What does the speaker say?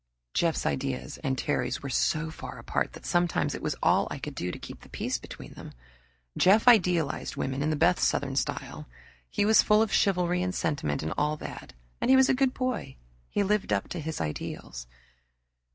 Jeff's ideas and Terry's were so far apart that sometimes it was all I could do to keep the peace between them. Jeff idealized women in the best Southern style. He was full of chivalry and sentiment, and all that. And he was a good boy; he lived up to his ideals.